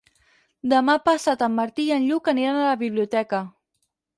Demà passat en Martí i en Lluc aniran a la biblioteca.